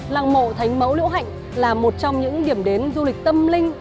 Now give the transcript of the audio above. làng mộ thánh mẫu liễu hạnh là một trong những điểm đến du lịch tâm linh